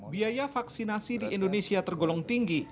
biaya vaksinasi di indonesia tergolong tinggi